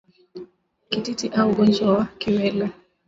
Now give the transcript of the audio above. Kititi au Ugonjwa wa Kiwele